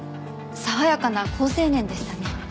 爽やかな好青年でしたね。